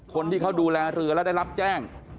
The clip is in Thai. คนที่เขาดูแลเรือแล้วได้รับแจ้ง